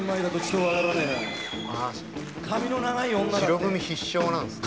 白組必勝なんですね。